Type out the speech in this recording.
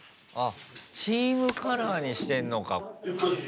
チームカラーにしてんのか。